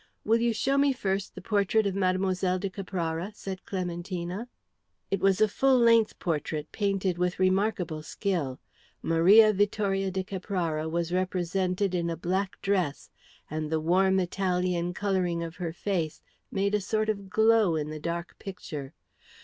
"Will you show me first the portrait of Mlle. de Caprara?" said Clementina. It was a full length portrait painted with remarkable skill. Maria Vittoria de Caprara was represented in a black dress, and the warm Italian colouring of her face made a sort of glow in the dark picture.